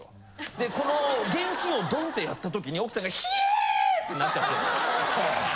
でこの現金をドンってやった時に奥さんが。ってなっちゃって。